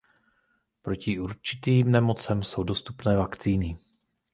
Proti určitým nemocem jsou dostupné vakcíny.